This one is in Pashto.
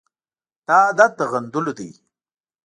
دا عادت د غندلو دی.